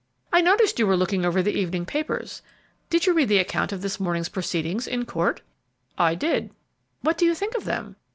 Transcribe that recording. "I noticed you were looking over the evening papers, did you read the account of this morning's proceedings in court?" "I did." "What do you think of them?"